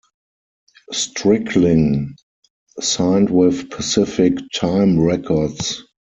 Stricklin signed with Pacific-Time Records.